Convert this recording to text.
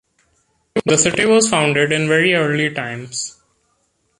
The city was founded in very early times.